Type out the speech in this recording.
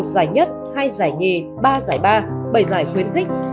một giải nhất hai giải nhì ba giải ba bảy giải khuyến khích